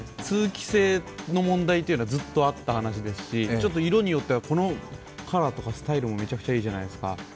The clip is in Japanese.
通気性の問題というのはずっとあった話ですし、ちょっと色によっては、このカラーとかスタイルがめちゃくちゃいいじゃないですか。